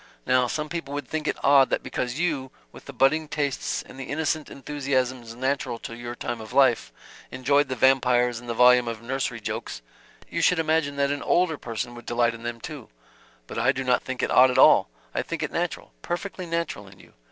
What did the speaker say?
Now some people would think it odd that because you, with the budding tastes and the innocent enthusiasms natural to your time of life, enjoyed the Vampires and the volume of nursery jokes, you should imagine that an older person would delight in them too but I do not think it odd at all. I think it natural perfectly natural in you.